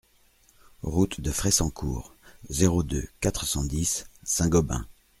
Route de Fressancourt, zéro deux, quatre cent dix Saint-Gobain